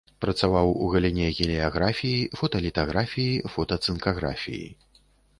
Працаваў у галіне геліяграфіі, фоталітаграфіі, фотацынкаграфіі.